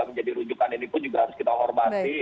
menjadi rujukan ini pun juga harus kita hormati